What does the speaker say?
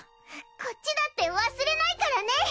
こっちだって忘れないからね。